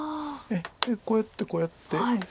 でこうやってこうやって。